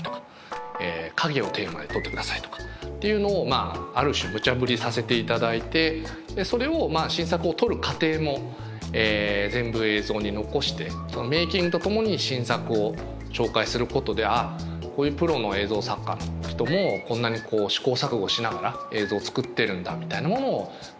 影をテーマで撮ってくださいとかっていうのをある種ムチャぶりさせていただいてそれを新作を撮る過程も全部映像に残してメーキングとともに新作を紹介することであっこういうプロの映像作家の人もこんなに試行錯誤しながら映像作ってるんだみたいなものを見て学んでいただけるコーナー。